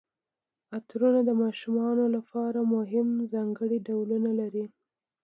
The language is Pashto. عطرونه د ماشومانو لپاره هم ځانګړي ډولونه لري.